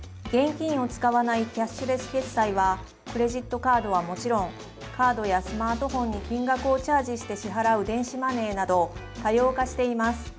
現金を使わないキャッシュレス決済はクレジットカードはもちろんカードやスマートフォンに金額をチャージして支払う電子マネーなど多様化しています。